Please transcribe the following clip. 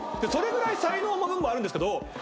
それぐらい才能も運もあるんですけど。